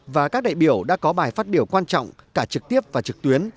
và các đại biểu đã có bài phát biểu quan trọng cả trực tiếp và trực tuyến